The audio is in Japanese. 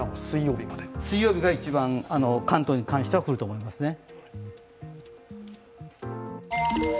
水曜日が一番、関東に関しては降ると思いますね。